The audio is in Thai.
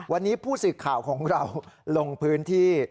วันนี้ผู้สื่อข่าวของเราลงพื้นที่